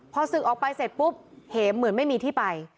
พอศึกออกไปเสร็จปุ๊บเหมเหมือนไม่มีที่ไป